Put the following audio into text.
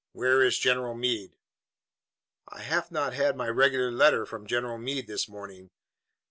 Where is General Meade?" "I haf not had my regular letter from General Meade this morning.